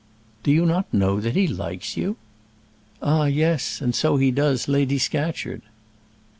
"Do you not know that he likes you?" "Ah, yes; and so he does Lady Scatcherd."